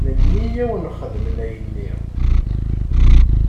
Melmi i wen-xedmen ayenni?